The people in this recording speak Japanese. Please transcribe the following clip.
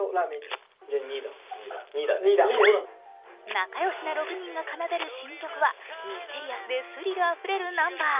仲よしな６人が奏でる新曲はミステリアスでスリルあふれるナンバー。